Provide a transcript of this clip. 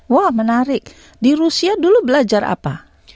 wah menarik di rusia dulu belajar apa